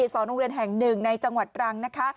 สอนโรงเรียนแห่งหนึ่งในจังหวัดรังนะคะ